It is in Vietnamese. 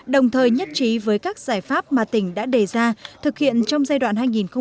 đồng thời nhất trí với các giải pháp mà tỉnh đã đề ra thực hiện trong giai đoạn hai nghìn một mươi tám hai nghìn hai mươi